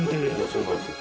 そうなんですよ。